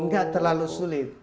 nggak terlalu sulit